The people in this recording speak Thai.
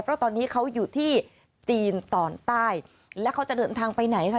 เพราะตอนนี้เขาอยู่ที่จีนตอนใต้แล้วเขาจะเดินทางไปไหนคะ